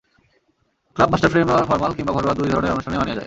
Club master frame formal কিংবা ঘরোয়া দুই ধরনের অনুষ্ঠানেই মানিয়ে যায়।